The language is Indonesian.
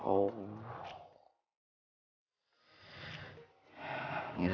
aku atau karyam ini